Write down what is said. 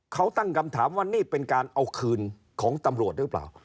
เขาตั้งคำถามว่านี่เป็นการเอาคืนของตำรวจหรือเปล่า